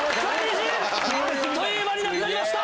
あっという間になくなりました。